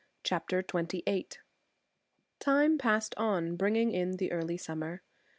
CHAPTER XXVIII Time passed on, bringing in the early summer.